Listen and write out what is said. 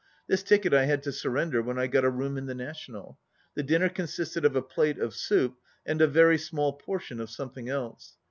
This ticket I had to sur render when I got a room in the National. The dinner consisted of a plate of soup, and a very small portion of something else.